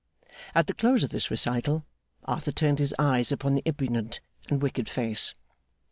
At the close of this recital, Arthur turned his eyes upon the impudent and wicked face.